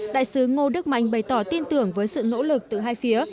đại sứ ngô đức mạnh bày tỏ tin tưởng với sự nỗ lực từ hai phía